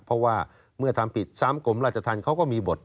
เพราะว่าเมื่อทำผิดซ้ำกรมราชธรรมเขาก็มีบท